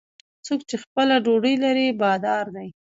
څوک چې خپله ډوډۍ لري، بادار دی.